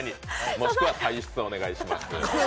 もしくは退室お願いします。